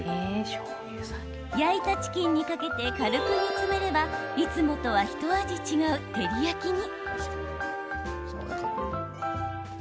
焼いたチキンにかけて軽く煮詰めれば、いつもとはひと味違う照り焼きに。